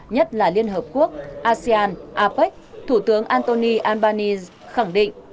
nhất là liên hợp quốc asean apec thủ tướng antoni albanese khẳng định